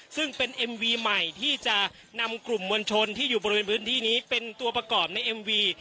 ซึ่งเป็นเอ็มวีใหม่ที่จะนำกลุ่มมวลชนที่อยู่บริเวณพื้นที่นี้เป็นตัวประกอบในเอ็มวี